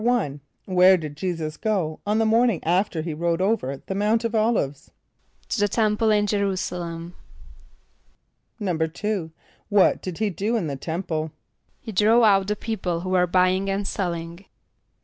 = Where did J[=e]´[s+]us go on the morning after he rode over the Mount of [)O]l´[)i]ve[s+]? =To the temple in J[+e] r[u:]´s[+a] l[)e]m.= =2.= What did he do in the temple? =He drove out the people who were buying and selling.